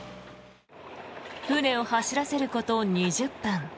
船を走らせること２０分。